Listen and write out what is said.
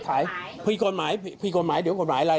ถ้าผมไปขายกดหมาย